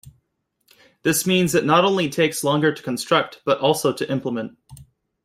This means it not only takes longer to construct, but also to implement.